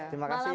terima kasih bu